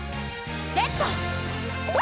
レッド！